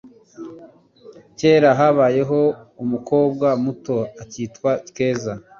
Kera habayeho umukobwa muto akitwa Keza